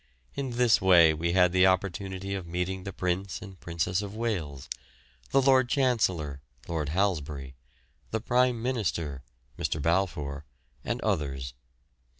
In this way we had the opportunity of meeting the Prince and Princess of Wales, the Lord Chancellor (Lord Halsbury), the Prime Minister (Mr. Balfour), and others.